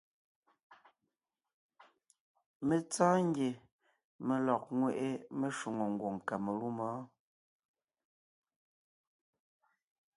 Mé tsɔ́ɔn ngie mé lɔg ńŋweʼe meshwóŋè ngwòŋ Kamalûm wɔ́.